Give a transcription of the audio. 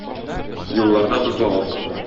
Юлларда бозлавык.